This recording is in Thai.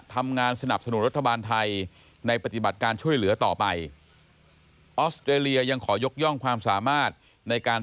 ทำงานสนับสนุนรัฐบาลไทยในปฏิบัติการช่วยเหลือต่อไปออสเตรเลียยังขอยกย่องความสามารถในการ